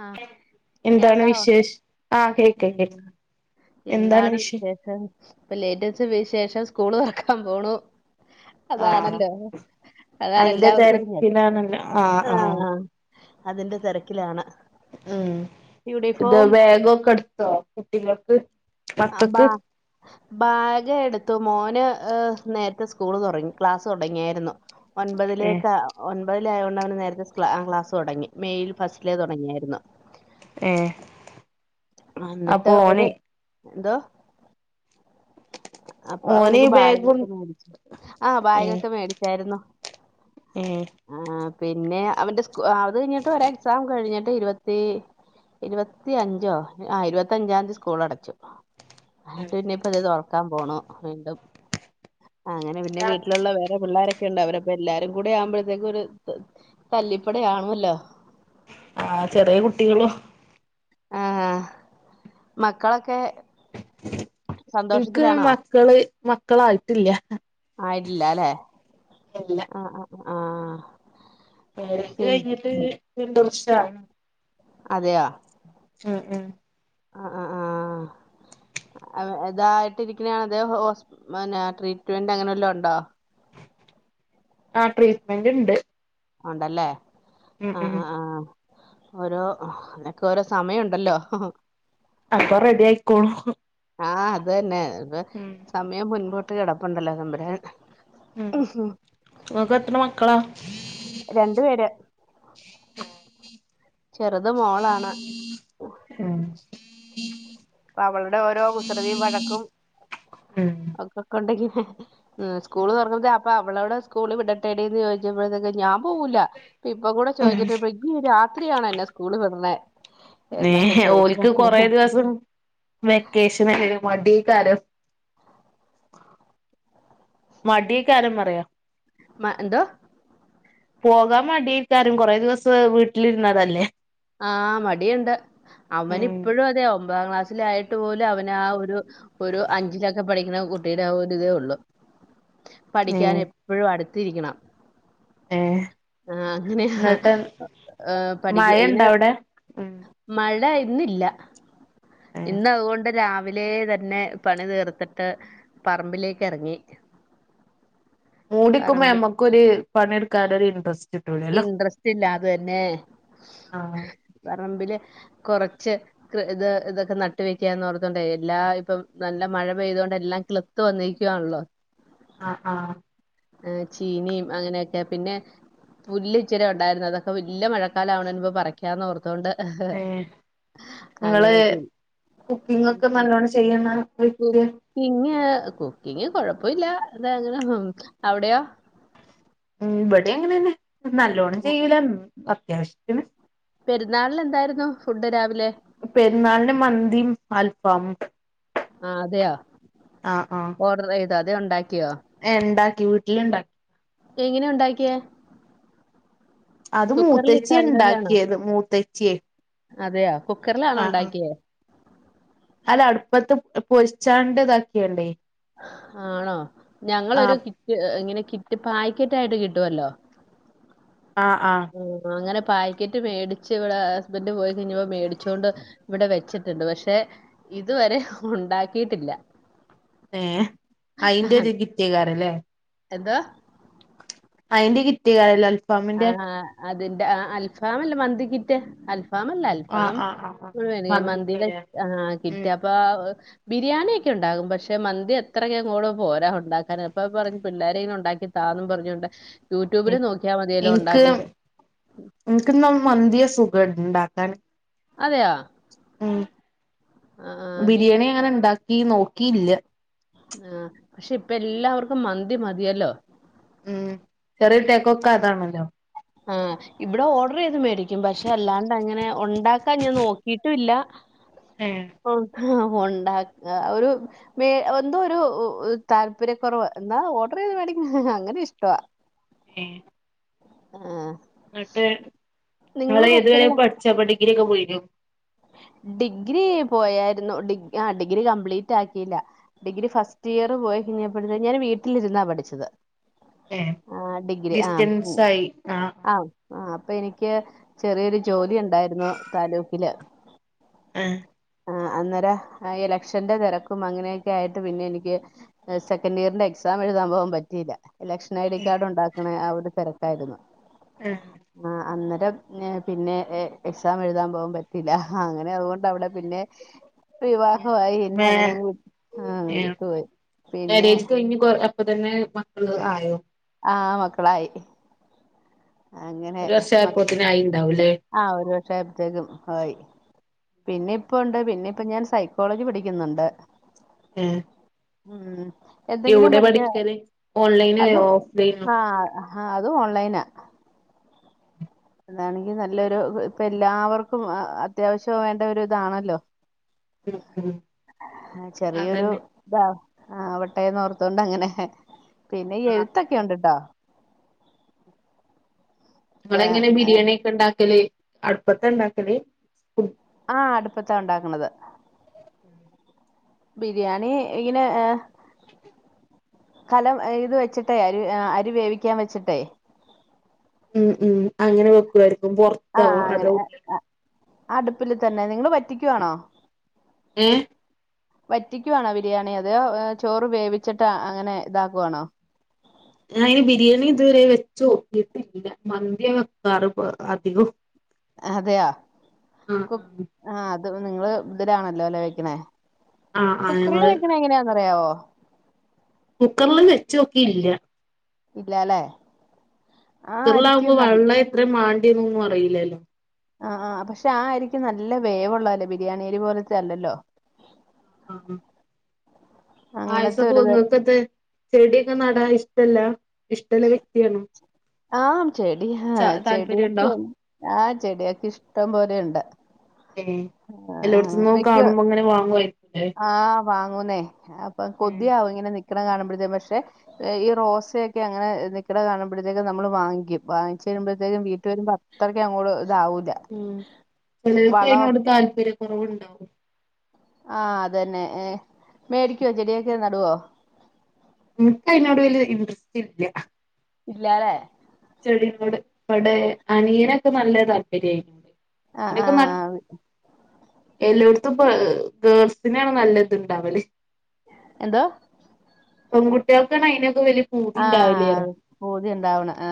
ആഹ് എന്താണ് കേൾക്കാവോ വിശേഷ് ആഹ് കേക്ക കേക്ക എന്താണ് വിഷേ ശേഷം സ്കൂള് തുറക്കാൻ പോണു ആഹ് അതാണല്ലോ അതാണ് എല്ലാവർക്കും ഒരു ആഹ് അതിന്റെ തിരക്കിലാണ് [unintelligible] യൂണിഫോം എടുത്തോ കുട്ടികൾക്ക് ആഹ് ബാ മക്കക്ക് ബാഗ് എടുത്തു മോന് ങ്ങ് നേരത്തെ സ്കൂൾ തുടങ്ങി ക്ലാസ്സ് തുടങ്ങിയായിരുന്നു ഒൻപതിലേക്കാ ഓൻ ഒൻപതിൽ ആയൊണ്ട് അവന് നേരത്തെ ക്ലാ ക്ലാസ് തുടങ്ങി മേയിൽ ഫസ്റ്റിലേ തൊടങ്ങിയായിരുന്നു എ അന്നിട്ട് ഒരെ ന്തോ അപ്പൊ ഓന് അവനക്ക് ബാഗും ബായ്ഗൊക്കെ മേടിച്ചു ആ ഏഹ് ബായ്ഗൊക്കെ മേടിച്ചായിരുന്നു ഏഹ് ആ പിന്നെ അവന്റെ സ് ക്കു അത് കഴിഞ്ഞിട്ട് ഒരു എക്സാം കഴിഞ്ഞിട്ട് ഇരുപത് ത്തീ ഇരുപത്തി അഞ്ചോ ആ ഇരുപത്തിഞ്ചാംതി സ്കൂൾ അടച്ചു ട്ടു ഞ്ഞ്പ്പതി തോ ക്കാൻ പോണോ വീണ്ടും അങ്ങനെ പിന്നെ വീട്ടിലുള്ള വേറെ പിള്ളോരൊക്‌ ക്കെണ്ട അവരപ്പൊ എല്ലാരും കൂടെ ആവുമ്പോഴത്തേക്ക് ഒരു തല്ലിപ്പടയാണല്ലോ ആ ചെറിയ കുട്ടികളോ ആ മക്കളൊക്കെ ഇൻക്ക് സന്തോഷത്തിലാണോ മക്കള് മക്കളായിട്ടില്ല ആയിട്ടില്ല അല്ലെ ആ ആ ആ ളേജ് പിൻ കഴിഞ്ഞിട്ട് രണ്ട് വർഷായി അതെയ ആ അ ആ ആ ആ ഇതായിട്ടിരിക്ക്ണയാണ അതേ ഹോസ് പിന്നെ ട്രീറ്റ്മെന്റ് അങ്ങനെ വല്ലോ ഇണ്ടോ ആ ട്രീറ്റ്മെന്റ് ഇണ്ട് ഉണ്ടല്ലേ ആ ആ ആ ഓരോ അതൊക്കെ ഓരോ സമയംണ്ടല്ലോ അപ്പൊ റെഡി ആയിക്കോളൂ ആ അത് തന്നെ [unintelligible] സമയം മുൻപോട് ട്ട്കിടപ്പുണ്ടല്ലോ തമ്പുരാൻ ഉം ങ്ങക്ക് എത്ര മക്കളാ രണ്ടു പേര് ചെറുത് മോളാണ് ഉം പ്പ അവൾടെ ഓരോ കുസൃതിയും വഴക്കും ഉം ഒക്കെ കൊണ്ട് ഉം സ്കൂള് തൊർ [unintelligible] അപ്പൊ അവളോട് സ്കൂളി വിടട്ടെടിന്ന് ചോയ്ച്ചപ്പോഴത്തേക്കും ഞാൻ പോവൂല്ല. ഇപ്പൊ കൂടെ ചോയ്ച്ചിട്ടിപ്പഴ ഇഞ്ഞ് രാ ത്രിയാണോ എന്നെ സ്കൂളി വിടണെ ഏഹ് ഓൽക്ക് കൊറേ ദിവസം വെക്കേഷന് [unintelligible] മടി എയ്ക്കാരം. മടി എയ്കാരം പറയാ. മ എന്തോ? പോകാൻ മടി എയ്കാരം കൊറെ ദിവസം വീട്ട്ല് ഇര്ന്നതല്ലേ. ആഹ് മടിയുണ്ട് അവൻ ഉം ഇപ്പഴും അതെ ഒ മ്പതാം ക്ലാസ്സിൽ ആയിട്ട് പോലും അവൻ ആ ഒരു ഒരു അഞ്ചിലൊക്കെ പഠിക്കണ കുട്ടിയുടെ ആ ഒരിതേ ഒള്ള്. പഠിക്കാൻ ഏ എപ്പഴും അട് ത്തിരിക്കണം ആഹ് അങ്ങനെയ ഏഹ് പഠി ഴ ഇണ്ടോ അവിടെ ഉം. ഇന്നില്ല. ഏ ഇന്ന് അതുകൊണ്ട് രാ വിലേ തന്നെ പണി തീർത്തിട്ട് പറമ്പിലേക്കെറങ്ങി. മൂടിക്കുമ്പോ ഞമ്മക്കൊര് പണി ഇടുക്കാൻ ഒരു ഇൻട്രസ് ഇൻട്രസ്റ്റ് ഇല്ല അത് തന്നെ ആഹ് പറമ്പില് കൊറച്ച് കൃ ഇത് ഇതൊക്കെ നട്ട് വെക്കാന്നോർത്തോണ്ടേ എല്ലാ ഇപ്പം നല്ല മഴ പെയ്തോണ്ട് എല്ലാം കിളിത്ത് വന്നേക്കുവാണല്ലോ. ആഹ് ആഹ് എ ചീനിയും അങ്ങനെയൊക്കെ പിന്നെ പുല്ല് ഇച്ചിരെ ഉണ്ടായിരുന്നു അതൊക്കെ വല്ലിയ മഴക്കാലം ആവ്ണേന്റെ മുമ്പ് പറയ്ക്കാന്ന് ഓർ ഏ ഇങ്ങൾ അങ്ങനെയൊക്കെ കുക്കിങ്ങ് ഒക്കെ നല്ലോണം ചെയ്യ്ണ വ്യക്തിയ കുക്കിങ് കുക്കിങ് കൊഴപ്പവില്ല തെ അങ്ങനെ ഉം അവിടെയോ ഉം ബടിം അങ്ങനെന്നെ നല്ലോണം ചെയ്യൂല അത്യാവശ്യത്തിന് പെരുന്നാളിൻ എന്തായിരുന്നു ഫുഡ് രാവിലെ പെരുന്നാളിൻ മന്തിം അൽഫാമും ആ അതെയോ ഓർഡറെ അതെ ഉണ്ട എ ഇണ്ട വീട്ടിൽ ഇണ്ടാ എങ്ങനെ ഉണ്ടാക്കിയെ അത് മൂത്തച്ചി ഉണ്ടാക്കിയത് മൂത്തച്ചിയെ അതെയാ കുക്കറിലാണോ ആഹ് ആഹ് ഉണ്ടാക്കിയത് അല്ല അടുപ്പത്ത് പൊരിച്ചാണ്ട് ഇതാക്കിയണ്ടേ ആണോ ഞങ്ങളൊരു ആഹ് കിറ്റ് ഇങ്ങനെ കിറ്റ് പായ ക്കറ്റായിട്ട് കിട്ടുവല്ലോ ആഹ് ആഹ് ആ അങ്ങനെ പാക്കറ്റ് മേടിച്ച് ഇവിടെ ഹസ്ബൻഡ് പോയി കഴഞ്ഞപ്പോ മേടിച്ചുകൊണ്ട് ഇവിടെ വെച്ചിട്ടുണ്ട് പക്ഷെ ഇതുവരെ ഉണ്ടാക്കിട്ടില്ല ഏ അയിന്റെ ഒരു കിറ്റകാരല്ലേ എന്താ അയിൻ്റെ ഈ ആഹഹ അതിന്റെ അൽഫാമല്ല മന്തി കിറ്റ് അ അ അൽഫാം അല്ല ആഹ് അൽഫാം ആഹ് ആഹ് ആഹ് ഹ് മന്തി മന്തിന്റെലേ ആ കിറ്റ് ഉം അപ്പോ ആ ബിരിയാണി ഒക്കെ ഉണ്ടാകും പക്ഷെ മന്തി അത്രക്കങ്ങോടെ പോരാ ഉണ്ടാക്കാൻ അപ്പൊ പറഞ്ഞു പിള്ളേര് ഇങ്ങനെ ഉണ്ടാക്കി താന്നും പറഞ്ഞോണ്ട് യൂട്യൂബില് നോക്കിയാ മതി എനിക്ക് എനിക്ക് പ്പോ മന്തിയാ സുഖം ണ്ടാക്കാന് അതെയോ ഹാ ആ വീ ബിരിയാണി എങ്ങനെ ഇണ്ടാക്ക ീ നോക്കിയില്ല ആ പക്ഷെ ഇപ്പ എല്ലാവർക്കും മന്തി മതിയല്ലോ ഉം ശറീർ ടെക്കോക്കതാണ് ല്ലോ ആഹ് ഇവിടെ ഓർഡർ ചെയ്ത് മേടിക്കും പക്ഷെ അല്ലാണ്ട് അങ്ങനെ ഉണ്ടാക്കാൻ ഞാൻ നോക്കിട്ടുംല്ലാ ആഹ ആ ഉണ്ടാ ഒരു എന്തോ ഒരു താല്പര്യക്കുറവ് എന്നാ ഓർഡറെയ്ത് മേടിക്കും അങ്ങനെ ഇഷ്ടവാ ഉം ആഹ ന്നിട്ട് ങ്ങളേതുവരെ കുക്കറില പഠിച്ച് പഠിക്ക ഡിഗ്രി ഒക്കെ പോയിക്കോ ഡിഗ്രി പോയായിരുന്നു ഡിഗ് ആ ഡിഗ്രി കംപ്ലീറ്റാക്കിയില്ല ഡിഗ്രി ഫസ്റ്റ് ഇയർ പോയി പിന്നെ ഞാൻ വീട്ടിലിരുന്നാ പഠിച്ചത് ഏ ആ ഡിഗ്രി ആഹ് ഡിസ്റ്റൻസ് ആയി ആഹ ആഹ് ആഹ് അപ്പൊ എനിക്ക് ചെറിയൊരു ജോലി ഉണ്ടായിരുന്നു താലൂക്കില് ആ ഉം അന്നേരം എലക്ഷന്റെ തെരക്കും അങ്ങനെയൊക്കെ ആയിട്ട് പിന്നെ എനിക്ക് സെക്കൻഡ് ഇയറിന്റെ എക്സാം എഴുതാൻ പോവാൻ പറ്റിയില്ല ഇലക്ഷൻ ഐ ഡി കാർഡ് ഉണ്ടാക്കണേ അവ തെരക്കായിരുന്നു ആഹ് ആ അന്ന പിന്നെ പിന്നെ എ എക്സാം എഴുതാൻ പോവാൻ പറ്റ അങ്ങനെ അതുകൊണ്ട് അവിടെ പിന്നെ വിവാഹവായി പിന്നെ മേ അങ്ങനെ അങ്ങ് ആ അങ്ങ് ഏഹ് വിട്ടുപോയി പിന്നെ മാരേജ് കഴിഞ്ഞ് കൊ അപ്പൊ തന്നെ മക്കള് ആയോ ആ മക്കളായി ഒരു വർഷായിപ്പോത്തന്നെ ആയി ഉണ്ടാവൂല്ലേ ആ ഒരു വർഷായപ്പോത്തേക്കും ആയി പിന്നെ ഇപ്പൊ ഉണ്ട് പിന്നെ ഇപ്പൊ ഞാൻ സൈക്കോളജി പഠിക്കുന്നൊണ്ട് ഉം ഉം എന്തെങ്കിലും എവിടെയാ പഠിക്ക പഠിക്കല് ഓൺലൈനായോ ഓഫ്‌ലൈനോ ആഹ് ആ അത് ഓൺലൈനാ അതാണെങ്കി നല്ലൊരു ഇപ്പൊ എല്ലാവർക്കും അത്യാവശ്യം വേണ്ട ഒരു ഇതാണല്ലോ ഉം ഉം ആ ചെറിയൊരു അതന്നെ ഇതാ ആ അവട്ടേന്നോർത്തോണ്ട് അങ്ങനെ പിന്നെഈ ആഹ് എഴുത്തൊക്കെ ഉണ്ട്ട്ടോ നിങ്ങളെങ്ങനെ ബിരിയാണി ഒക്കെ ഉണ്ടാക് ക്കല് അടുപ്പത്താണ്ടാക്കല് ആ അടുപ്പത്താ ഉണ്ടാക്കണത് ബിരിയാണി ഇങ്ങനെ ഏ കലം ഇത് വെച്ചിട്ടെ അരി അ അരി വേവിക്കാൻ വെച്ചിട്ടേ ഉം ഉം അങ്ങനെ വെക്കുവ അപ്പൊ പൊറത്താവുവോ അതോ ഉള്ളിലോ അടുപ്പില് തന്നെ നിങ്ങള് റ്റിക്കുവാണോ ഏഹ് വറ്റിക്കുവാണോ ബിരിയാണി അതോ ചോറ് വേവിച്ചിട്ട് അങ്ങനെ ഇതാക്കുവാണോ ഞാനയിന് ബിരിയാണി ഇതുവരെം വെച്ചുനോക്കിട്ടില്ല മന്തിയാ വെക്കാറ് ഇപ്പൊ അധികോം അതെയോ ആ അപ്പൊ നിങ്ങള് ഇതിലെ ആണ് അല്ലേ വെയ്ക്കുന്നെ ആഹ് ആഹ് ആഹ് കുക്കറില് ഞങ്ങള് വെയ്ക്കണെ എങ്ങനെയാന്ന് അറിയാവോ കുക്കർല് വെച്ചോക്കിയില്ല ഇല്ലാലേ കുക്കർലാവുമ്പൊ വെള്ളം എത്രെ മാ യതൊന്നും അറിയില്ലല്ലോ ആ ആ പക്ഷെ ആ അരിക്ക് നല്ല വേവുള്ളതല്ലേ ബിരിയാണിയരി പോലത്തെ അല്ലല്ലോ ആ ആ അങ്ങനത്തെ പായസൊക്കെ ഒരു തര [unintelligible] ചെടിയൊക്കെ നടാൻ ഇഷ് ഇഷ്ടല്ല ഇഷ്ടല്ലെ വ്യക്തിയണോ ആം ചെടി ഹാ താല്പര്യണ്ടോ ചെടിയൊക്കെ ആ ചെടിയൊക്കെ ഇഷ്ടം പോലെയാെണ്ട് ഏയ് എല്ലോട്ത്ത്ന്നും കാണുമ്പങ്ങനെ വാങ്ങ്വേ ആഹ് വാങ്ങൂന്നേ അപ്പൊ ഏഹ് കൊതിയാവും ഇങ്ങനെ നി ക്ക്ണെ കാണ് മ്പഴതേ പക്ഷെ ഈ റോസയൊക്കെ അങ്ങനെ നിൽക്ക്ണെ കാണ് മ്പഴത്തേക്കും‌ നമ്മള് വാങ്ങിക്കും. വാങ്ങിച്ച് വര്മ്പഴത്തേക്കും വീട്ടില് വര്മ്പ അത്രയ്ക്കങ്ങോട് ഉം ലെര്ക്ക് വള അയ്നോട് താല്പര്യ കൊറവ്ണ്ടാകും ആ അതന്നെ ഏ മേടിക്കാേ ചെടിയൊക്കെ നടുവോ ഇൻക്കയ്നോട് വല്യ ഇൻട്രസ്റ്റ് ഇല്ല ഇല്ലാലെ ചെടിനോട് ഇവടെ അനിയനൊക്കെ നല്ല താല്പര്യ അ ആ വ് എല്ലാേട്ത്ത്പ്പ ഗേൾസിനാണ് നല്ല ത്ണ്ടാവല് എന്തോ പെങ്കുട്ട്യാൾക്കാണ് അയ്നൊക്കെ വല്ല്യ ആ അ പൂതിണ്ടാവ്ണ് ആ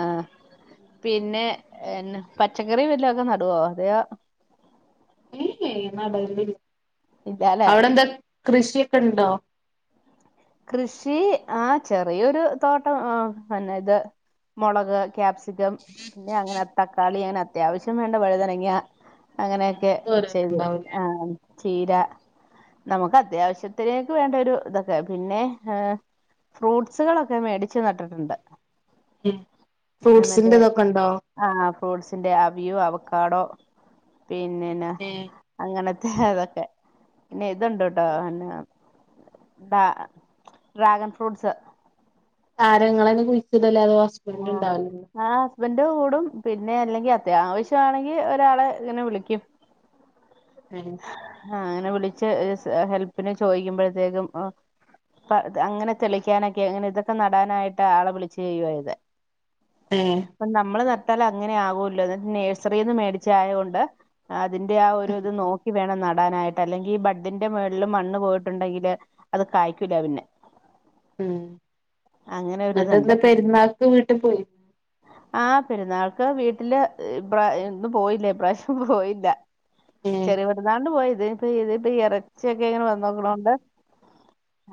പിന്നെ എന്നാ പച്ചക്കറി വല്ലൊക്കെ നടുവോ അതെയാേ [unintelligible] ഇല്ലാലെ അവിടെ എന്താ കൃഷിയൊക്കെ ഉണ്ടോ കൃഷി ആ ചെറിയൊരു തോട്ടം ആ അന്ന ഇത് മുളക്, കാപ്സി കം പിന്നെ അങ്ങനെ തക്കാളി അങ്ങനെ അത്യാവശ്യം വേണ്ട വഴുതനങ്ങയ. അങ്ങനെയൊക്കെ അങ്ങനത്തെ ചെയ്ത് ഓരോന്നുണ്ടാവൂലേ ആ ചീര നമുക്ക് അത്യാവശ്യത്തിനേക്ക് വേണ്ട ഒരു ഇതൊക്കെ. പിന്നെ ഏ ഫ്രൂട്ട്സുകളൊക്കെ മേടിച്ച് നട്ടിട്ടുണ്ട്. ഫ്രൂട്ട്സിന്റെ ഇതൊക്കെ ഉണ്ടോ ഫ്രൂട്ട്സിന്റെഅവ്യൂ അവക്കാടോ പിന്നെന ഏഹ് അങ്ങനത്തെ അതൊക്കെ പിന്നെ ഇതുണ്ടേട്ടോ പിന്നെ ത ഡ്രാഗൺ ഫ്രൂട്ട്സ് ആരാ ഇങ്ങളന്നെ കുഴിച്ച അതല്ലാതെ ഹസ്ബൻഡ് ഉണ്ടാവോ ഹസ്ബെന്റും കൂടും പിന്നെ അല്ലെങ്കിൽ അത്യാവശ്യമാണെങ്കിൽ ഒരാളെ ഇങ്ങനെ വിളിക്കും ഏ ആ അങ്ങനെ വിളിച്ച് ഹെൽപ്പിന് ചോദിക്കുമ്പോഴത്തേക്കും ആ അങ്ങനെ തെളിക്കാനൊക്കെ അങ്ങനെ ഇതൊക്കെ നടാനായിട്ട് ആളെ വിളിച്ചു ചെയ്യുവാ ചെയ്തേ ഏഹ് അപ്പം നമ്മള് ന ട്ടാൽ അങ്ങനെ ആകൂല്ലോ എന്നിട്ട് നേഴ്സറിന്ന് മേടിച്ചയായോണ്ട് ആ തിന്റെ ആഹ് ഒരു രു നോക ടണം നടാനായിട്ട് അല്ലെങ്കീ ബഡ്ഡിന്റെ മേള് ളുംമണ്ണ് പോയിട്ടുണ്ടെങ്കില് അത് കായ്ക്കൂല പിന്നെ. ഉം അങ്ങനെ ഒരിതുണ്ട് ഇന്നട്ടെന്താ പെരുന്നാക്ക് വീട്ട് പോയി ആഹ് പെരുന്നാൾക്ക് വീട്ടില് ഇബ്ര ഇന്നും പോയില്ല ഇപ്രാശ്യം പോയില്ല ഏഹ് ചെറിയ പെരുന്നാള്ന് പോയി. ഇതിന്പ്പ ഇത് ഇപ്പ എറച്യൊക്കെ ഇങ്ങനെ വെന്നൊന്നൊള്ളോണ്ട്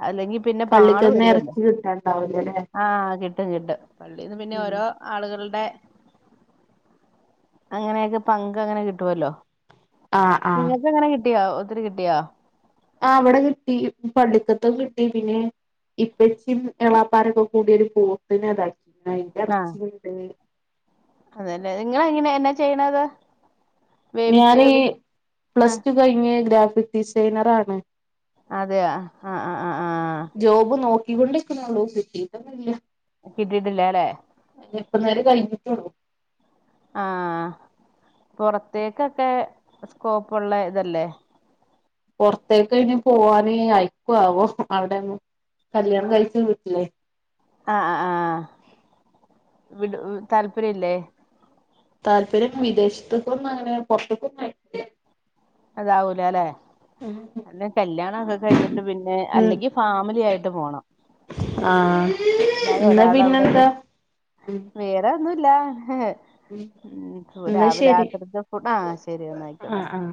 അല്ലെങ്കി പിന്നെ പാടു പള്ളിക്കന്ന് വരോല്ലെ ഇറച്ചി കിട്ടാണ്ടാവൂലല്ലേ ആഹ് കിട്ടും കിട്ടും പള്ളീന്ന് പിന്നെ ഉം ഓരോ ആള്കള്ടെ അങ്ങനെയൊക്കെ പങ്ക് അങ്ങനെ കിട്ടോല്ലോ അഹ് ആഹ് കിട്ട്യോ ഒത്തിരി കിട്ട്യോ ആഹ് ഇവടെ കിട്ടി. പള്ളിക്കത്തൊഹ് കിട്ടി. പിന്നെ ഇപ്പച്ചിം എളാപ്പാരൊക്കെ കൂടിയൊരു പോത്തിനെതാക്കി. ആഹ് അയ്ന്ററച്ചി ചുട്ട് അതല്ലേ നിങ്ങള [unintelligible] എന്താ ചെയ്യ്ണത് ഞാന് ആഹ് പ്ലസ് റ്റു കഴിഞ്ഞ് ഗ്രാഫിക് ഡിസൈനറാണ്. അതെ അഹ് അഹ് ആഹ് അഹ് ആഹ് ക്കി കൊണ്ട്ക്ക്ന്നൊള്ളു കിട്ടീട്ടൊന്നുല്ല കിട്ടിയിട്ടില്ലാല്ലേ [unintelligible] കയിഞ്ഞിട്ടൊള്ളു ആ പൊറത്തേക്കൊക്കെ സ്കോപ്പ്ള്ള ഇതല്ലേ? പൊറത്തേക്കയ്നി പോവാന് അയ്ക്കു ആവോ അവടെ കല്യാണം കഴിച്ച വീട്ടിലേ ആ ആ ആ വിട് താല്പരില്ലേ? താല്പര്യം വിദേശത്ത്ക്കൊന്നും അങ്ങനെ പൊറത്ത്ക്കൊന്നും അയക്കൂല അതാവൂലാലേ അല്ലെ കല്യാണൊക്കെ കഴിഞ്ഞിട്ട് പിന്നെ ഉം അല്ലെങ്കി ഫാമിലി ആയിട്ട് പോണം ആഹ് അല്ലാതെ എന്നാ ഒരാൾ അവിടെ ഒരാ പിന്നെന്താ ഉം വേറെ ഒന്നുല്ല ഹെ ഉം ഉം എന്നാ രാവില ശരി രാത്രിക്കത്തെ ഫുഡ് ആ ശരി എന്നാ ആ ആയിക്കോട്ടെ ആ